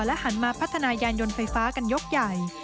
หันมาพัฒนายานยนต์ไฟฟ้ากันยกใหญ่